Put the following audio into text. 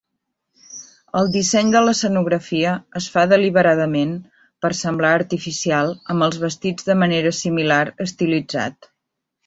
El disseny de l'escenografia es fa deliberadament per semblar artificial amb els vestits de manera similar estilitzat.